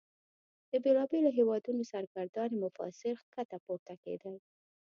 د بیلابیلو هیوادونو سرګردانه مسافر ښکته پورته کیدل.